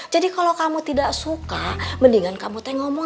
jadi kalo kamu tidak suka mendingan kamu tengok ngomong